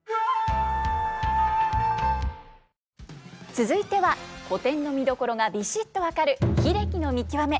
続いては古典の見どころがビシッと分かる英樹さん